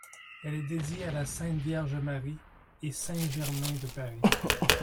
Elle est dédiée à la Sainte Vierge Marie et Saint-Germain de Paris.